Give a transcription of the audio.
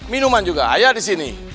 minuman juga ayah disini